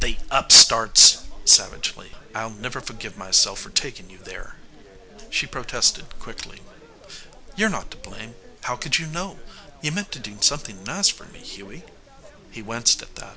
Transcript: "The upstarts!" savagely. "I'll never forgive myself for taking you there!" She protested quickly: "You're not to blame. How could you know? You meant to do something nice for me, Hughie." He winced at that.